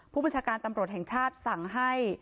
ผู้บัญชาการตำรวจแห่งชาติสั่งให้